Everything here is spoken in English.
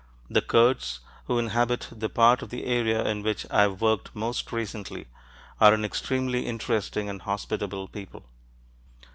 The Kurds, who inhabit the part of the area in which I've worked most recently, are an extremely interesting and hospitable people.